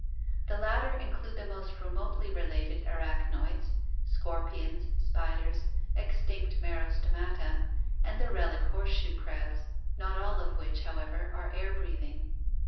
The latter include the more remotely related arachnoids — scorpions, spiders, extinct Merostomata and the relic horseshoe crabs — not all of which, however, are air breathing.